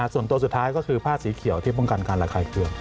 ส่วนตัวสุดท้ายก็คือผ้าสีเขียวที่ป้องกันการระคายเคือง